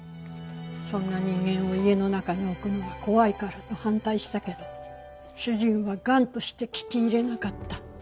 そんな人間を家の中に置くのは怖いからと反対したけど主人は頑として聞き入れなかった。